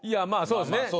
まあそうですね